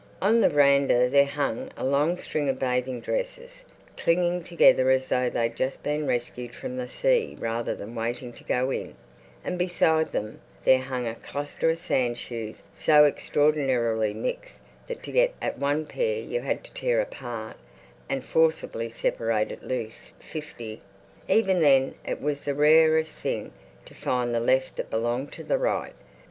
On the veranda there hung a long string of bathing dresses, clinging together as though they'd just been rescued from the sea rather than waiting to go in, and beside them there hung a cluster of sandshoes so extraordinarily mixed that to get at one pair you had to tear apart and forcibly separate at least fifty. Even then it was the rarest thing to find the left that belonged to the right.